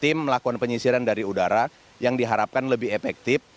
tim melakukan penyisiran dari udara yang diharapkan lebih efektif